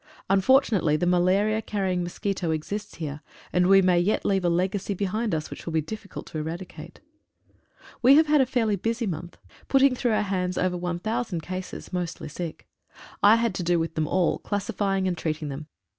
Unfortu nately the malaria carrying mosquito exists here, and we may yet leave a legacy behind us, which will be diffi cult to eradicate. We have had a fairly busy month,. 89 DIGGING A SAP. putting through our hands over 1,000 cases (mostly sick). I had to do with them all, classifying and treat ing them.